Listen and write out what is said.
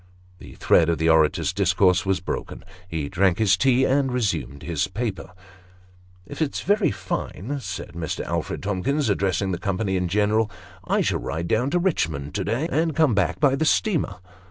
The thread of the orator's discourse was broken. He drank his tea and resumed the paper. " If it's very fine," said Mr. Alfred Tomkius, addressing the company in general, " I shall ride down to Richmond {o day, and come back by the steamer.